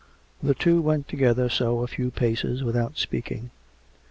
The two went together so a few paces, without speaking.